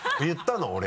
言ったの？